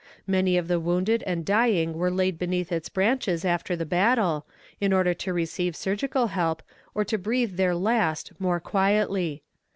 Many of the wounded and dying were laid beneath its branches after the battle, in order to receive surgical help, or to breathe their last more quietly.